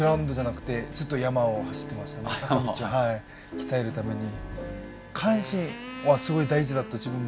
鍛えるために。